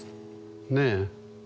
ねえ。